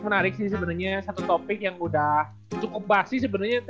bener bener langkah yang jauh banget